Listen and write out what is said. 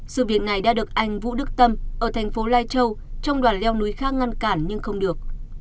sự việc này đã được anh vũ đức tâm ở thành phố lai châu trong đoàn leo núi khác ngăn cản nhưng không được